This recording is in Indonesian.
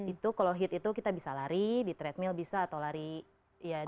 itu kalau hiit itu kita bisa lari di treadmill bisa atau lari di kompleks